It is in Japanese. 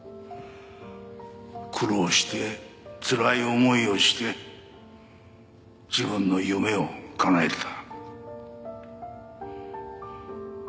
苦労してつらい思いをして自分の夢をかなえた。